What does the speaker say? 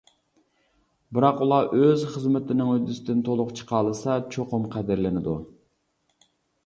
بىراق ئۇلار ئۆز خىزمىتىنىڭ ھۆددىسىدىن تولۇق چىقالىسىلا چوقۇم قەدىرلىنىدۇ.